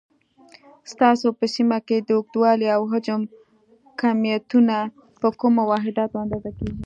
ستاسو په سیمه کې د اوږدوالي، او حجم کمیتونه په کومو واحداتو اندازه کېږي؟